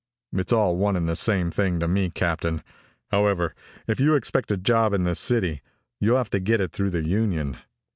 "It's all one and the same thing to me, Captain. However, if you expect a job in the city, you'll have to get it through the union."